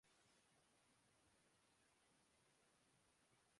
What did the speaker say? ہت ھی اچھا لگا ان پارسی بہن بھائیوں کو دیکھ کر